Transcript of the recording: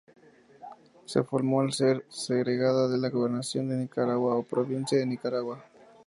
Se formó al ser segregada de la Gobernación de Nicaragua o Provincia de Nicaragua.